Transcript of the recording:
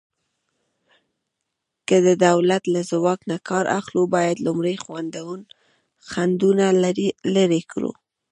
که د دولت له ځواک نه کار اخلو، باید لومړی خنډونه لرې کړو.